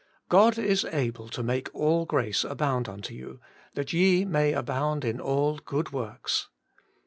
' God is able to make all grace abound unto you, that ye may abound in all good works.'